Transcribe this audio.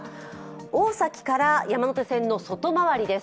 大崎から山手線の外回りです。